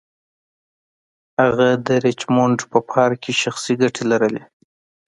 هغه د ریچمونډ په پارک کې شخصي ګټې لرلې.